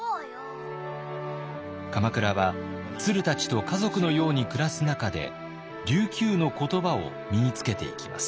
鎌倉はツルたちと家族のように暮らす中で琉球の言葉を身につけていきます。